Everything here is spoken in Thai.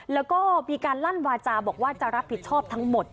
แล้วก็มีการลั่นวาจาบอกว่าจะรับผิดชอบทั้งหมด